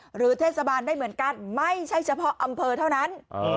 หรือเทศบาลได้เหมือนกันไม่ใช่เฉพาะอำเภอเท่านั้น